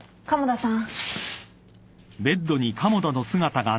鴨田さん！